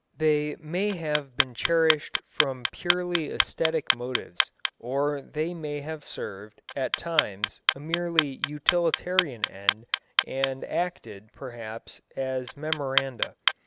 They may have been cherished from purely æsthetic motives, or they may have served, at times, a merely utilitarian end and acted, perhaps, as memoranda.